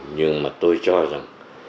nhưng mà tôi cho rằng